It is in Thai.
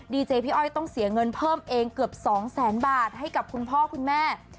ดีเจพี่อ้อยต้องเสียเงินเพิ่มเองเกือบ๒แสนบาทให้กับคุณพ่อคุณแม่